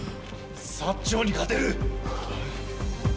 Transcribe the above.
長に勝てる！